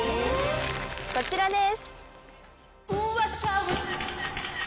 こちらです。